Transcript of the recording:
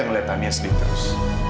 melihat tani sedih terus